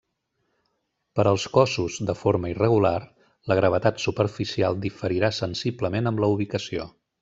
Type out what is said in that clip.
Per als cossos de forma irregular, la gravetat superficial diferirà sensiblement amb la ubicació.